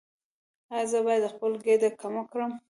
ایا زه باید خپل ګیډه کمه کړم؟